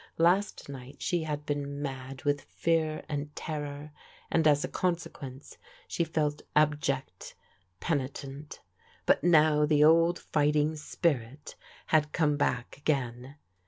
Last night she had been mad with fear and terror, and as a consequence she felt abject, penitent; but now the old fighting spirit had come back again.